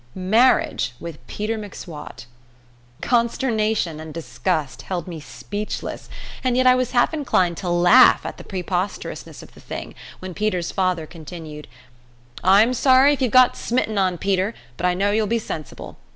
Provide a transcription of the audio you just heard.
Marriage with Peter M'Swat! Consternation and disgust held me speechless, and yet I was half inclined to laugh at the preposterousness of the thing, when Peter's father continued: "I'm sorry if you've got smitten on Peter, but I know you'll be sensible.